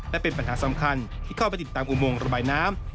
และเป็นปัญหาสำคัญที่เข้าไปติดตามอุโมงระบายน้ำ